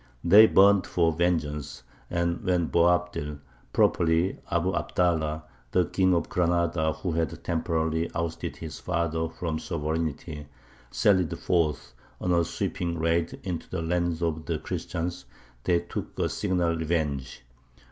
They burned for vengeance; and when "Boabdil" (properly Abu Abdallah), the King of Granada, who had temporarily ousted his father from the sovereignty, sallied forth on a sweeping raid into the lands of the Christians, they took a signal revenge.